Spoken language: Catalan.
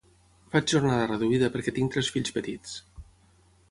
Faig jornada reduïda perquè tinc tres fills petits.